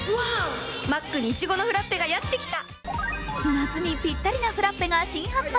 夏にぴったりなフラッペが新発売。